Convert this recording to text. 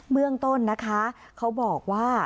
เมืองต้นนะคะเขาบอกว่า